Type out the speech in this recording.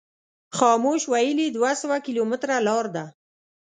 خاموش ویلي دوه سوه کیلومتره لار ده.